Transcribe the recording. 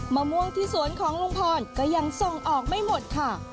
มะม่วงที่สวนของลุงพรก็ยังส่งออกไม่หมดค่ะ